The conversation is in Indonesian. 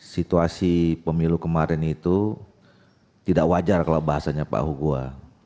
situasi pemilu kemarin itu tidak wajar kalau bahasanya pak hugo